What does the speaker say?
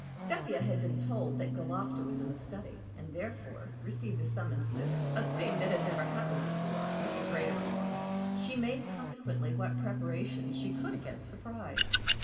Sepia had been told that Galofta was in the study, and therefore received the summons thither a thing that had never happened before with the greater alarm. She made, consequently, what preparation she could against surprise.